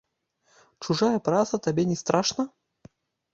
Чужая праца табе не страшна?